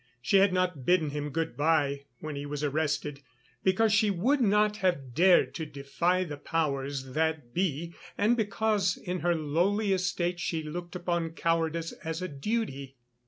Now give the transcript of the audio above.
She had not bidden him good bye when he was arrested, because she would not have dared to defy the powers that be and because in her lowly estate she looked upon cowardice as a duty.